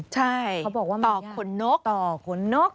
ใช่เขาบอกว่าต่อขนนกต่อขนนก